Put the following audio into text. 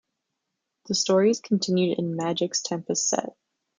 The story is continued in "Magic"'s "Tempest" set.